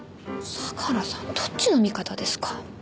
相良さんどっちの味方ですか。